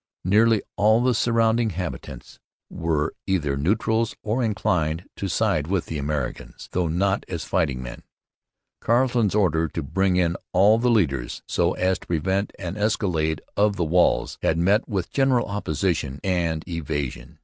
Nearly all the surrounding habitants were either neutrals or inclined to side with the Americans, though not as fighting men. Carleton's order to bring in all the ladders, so as to prevent an escalade of the walls, had met with general opposition and evasion.